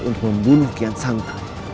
untuk membunuh kian santa